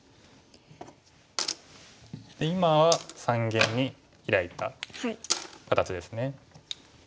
今は三間にヒラいた形ですね。